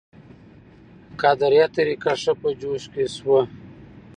قادریه طریقه ښه په جوش کې شوه.